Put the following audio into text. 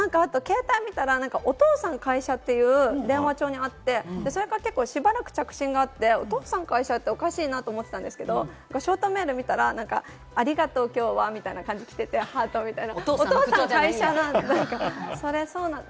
気になることあって、あと携帯見たら、「お父さん会社」っていう電話帳にあって、それからしばらく着信があって、「お父さん会社」っておかしいなと思ったんですけど、ショートメールを見たら、「ありがとう、今日は」みたいな感じできてて、ハートみたいな。